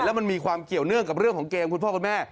แล้วมันมีความเกี่ยวเนื่องกับเรื่องของเกมคุณพ่อคุณแม่